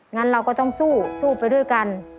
งั้นเราก็ต้องสู้สู้ไปด้วยกัน